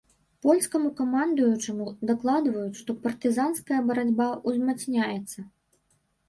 Польскаму камандуючаму дакладваюць, што партызанская барацьба узмацняецца.